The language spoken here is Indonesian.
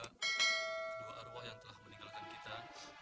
kedua arwah yang telah meninggalkan kita